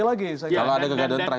kalau ada kegantian terakhir